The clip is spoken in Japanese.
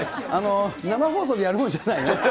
生放送でやるもんじゃないね。